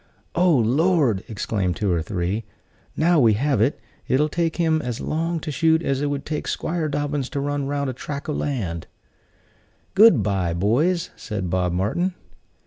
"Oh, Lord!" exclaimed two or three: "now we have it. It'll take him as long to shoot as it would take 'Squire Dobbins to run round a track o' land." "Good by, boys," said Bob Martin.